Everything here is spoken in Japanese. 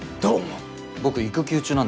僕育休中なんですけど。